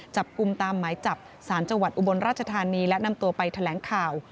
จับกลุ่มตามหมายจับสารจังหวัดอุบลราชธานีและนำตัวไปแถลงข่าว